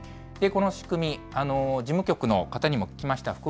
この仕組み、事務局の方にも聞きました。